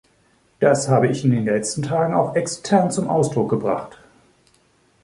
Das habe ich in den letzten Tagen auch extern zum Ausdruck gebracht.